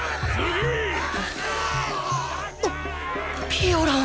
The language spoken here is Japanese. ピオラン！